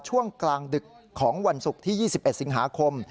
ช่วงกลางดึกของวันศุกร์ที่๒๑สิงหาคม